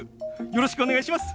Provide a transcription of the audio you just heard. よろしくお願いします！